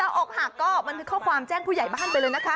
อกหักก็บันทึกข้อความแจ้งผู้ใหญ่บ้านไปเลยนะคะ